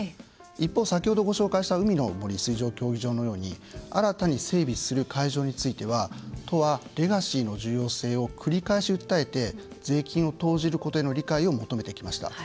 一方、先ほどご紹介した海の森水上競技場のように新たに整備する会場については都はレガシーの重要性を繰り返し訴えて税金を投じることへの理解を求めてきました。